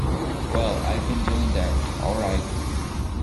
Well, I've been doing that, all right.